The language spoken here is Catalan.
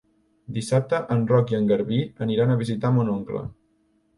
Dissabte en Roc i en Garbí aniran a visitar mon oncle.